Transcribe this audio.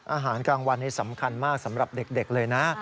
อาหารกลางวันนี้สำคัญมากสำหรับเด็กเลยนะ